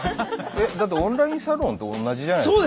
えだってオンラインサロンと同じじゃないですか。